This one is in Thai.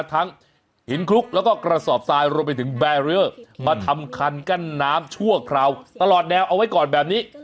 ทั้งหินคลุกแล้วก็กระสอบทรายรวมไปถึงแบเรอร์มาทำคันกั้นน้ำชั่วคราวตลอดแนวเอาไว้ก่อนแบบนี้